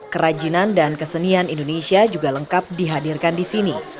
kerajinan dan kesenian indonesia juga lengkap dihadirkan disini